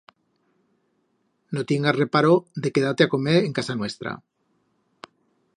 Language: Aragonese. No tiengas reparo de quedar-te a comer en casa nuestra.